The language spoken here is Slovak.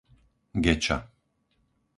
Geča